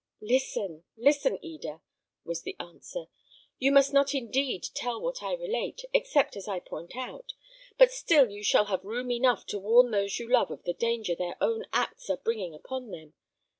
"Listen, listen, Eda!" was the answer. "You must not indeed tell what I relate, except as I point out; but still you shall have room enough to warn those you love of the danger their own acts are bringing upon them.